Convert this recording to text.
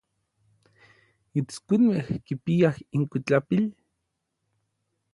¿Itskuinmej kipiaj inkuitlapil?